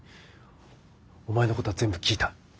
お前のことは全部聞いた。